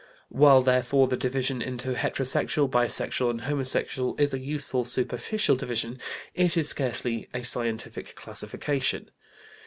While therefore the division into heterosexual, bisexual, and homosexual is a useful superficial division, it is scarcely a scientific classification.